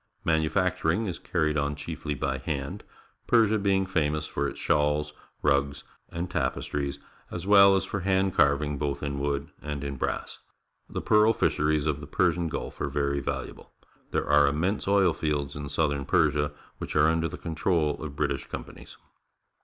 Manufacturing is carried on cliiefly by hand, Persia being famous for its shawls, rugs, and tapestries, as well as for hand car\nng both in wood and in brass. The pearl fisheries of the Persian Gulf are very valuable. There are immense oil fields in southern Persia, which are under the con trol of British companies.